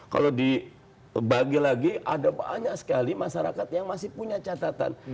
kalau dibagi lagi ada banyak sekali masyarakat yang masih punya catatan